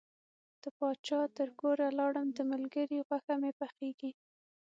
د پاچا تر کوره لاړم د ملګري غوښه مې پخیږي.